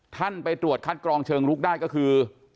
ท่านไปตรวจคัดกรองเชิงลุกได้ก็คือ